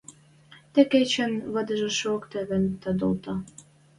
Тӹ кечӹн вадешӹжок тевеш тӓ толда...